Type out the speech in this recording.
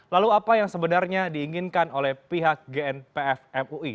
lalu apa yang sebenarnya diinginkan oleh pihak gnpf mui